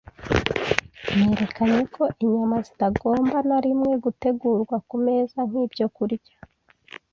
Nerekanye ko inyama zitagomba na rimwe gutegurwa ku meza nk’ibyokurya